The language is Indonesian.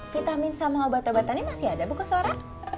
vitamin sama obat obatannya masih ada bu koswara